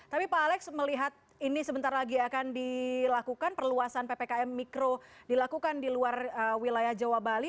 tapi pak alex melihat ini sebentar lagi akan dilakukan perluasan ppkm mikro dilakukan di luar wilayah jawa bali